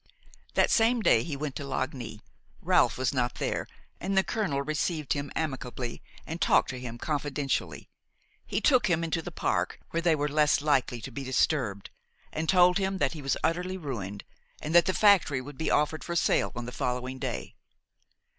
That same day he went to Lagny. Ralph was not there, and the colonel received him amicably and talked to him confidentially. He took him into the park, where they were less likely to be disturbed, and told him that he was utterly ruined and that the factory would be offered for sale on the following day.